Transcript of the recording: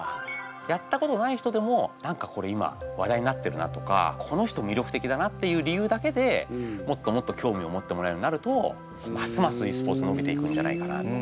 やったことない人でも何かこれ今話題になってるなとかこの人魅力的だなっていう理由だけでもっともっと興味を持ってもらえるようになるとますますｅスポーツのびていくんじゃないかなと。